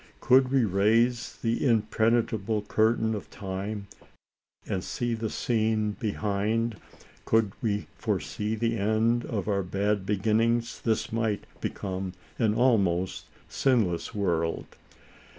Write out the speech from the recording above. Gould we raise the impenetra ble curtain of time, and see the scene behiitd, could we foresee the end of our bad begin ings, this might become an almost sinless world.